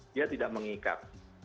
dia tidak mengikat